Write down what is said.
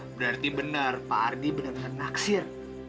berarti benar pak ardi bener bener naksir